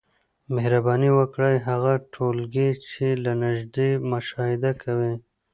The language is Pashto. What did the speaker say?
مهرباني وکړئ هغه ټولګي چي له نیژدې مشاهده کوی